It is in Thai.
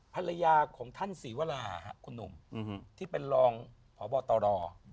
ภรรยาของท่านศรีวราคุณหนุ่มที่เป็นรองพบตร